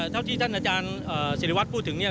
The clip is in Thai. เท่าที่ท่านอาจารย์ศิริวัตรพูดถึงเนี่ย